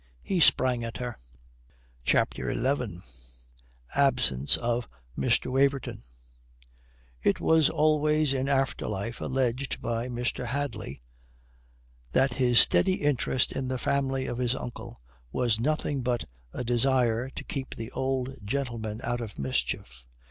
He sprang at her. CHAPTER XI ABSENCE OF MR. WAVERTON It was always in after life alleged by Mr. Hadley that his steady interest in the family of his uncle was nothing but a desire to keep the old gentleman out of mischief.